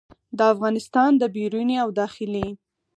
د افغانستان د بیروني او داخلي